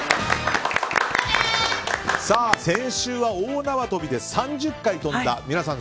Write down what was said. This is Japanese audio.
先週は大縄跳びで３０回跳んだ皆さん